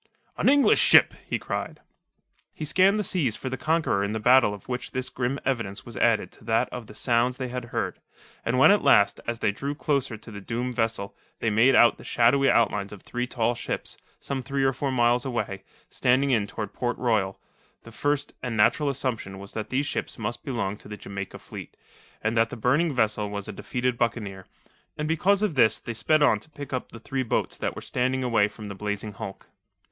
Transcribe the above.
"An English ship!" he cried. He scanned the seas for the conqueror in the battle of which this grim evidence was added to that of the sounds they had heard, and when at last, as they drew closer to the doomed vessel, they made out the shadowy outlines of three tall ships, some three or four miles away, standing in toward Port Royal, the first and natural assumption was that these ships must belong to the Jamaica fleet, and that the burning vessel was a defeated buccaneer, and because of this they sped on to pick up the three boats that were standing away from the blazing hulk.